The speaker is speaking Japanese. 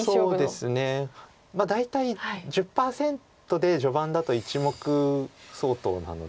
そうですね大体１０％で序盤だと１目相当なので。